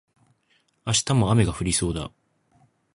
明日も雨が降りそうだ